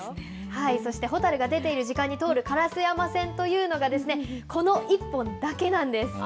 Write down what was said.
そして蛍が出ている時間に通る烏山線というのが、この一本だけなんです。